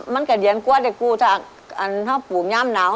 มันขึ้นง่ายมั้ย